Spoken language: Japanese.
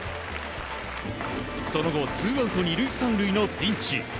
その後ツーアウト２塁３塁のピンチ。